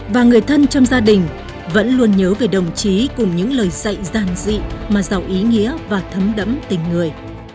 và người thân trong gia đình vẫn luôn nhớ về đồng chí cùng những lời dạy giản dị mà giàu ý nghĩa và thấm đẫm tình người